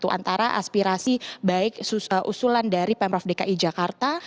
antara aspirasi baik usulan dari pemprov dki jakarta